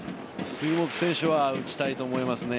杉本選手は打ちたいと思いますね。